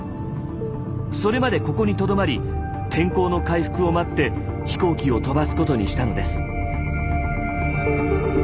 それまでここにとどまり天候の回復を待って飛行機を飛ばすことにしたのです。